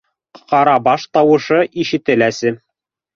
Ҡарабаш тауышы ишетеләсе!..